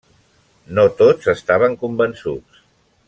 No tots estaven convençuts.